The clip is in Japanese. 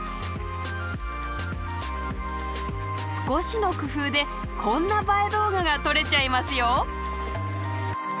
少しの工夫でこんな映え動画が撮れちゃいますよ。